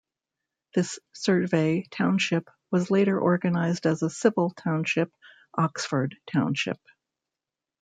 This survey township was later organized as a civil township, Oxford Township.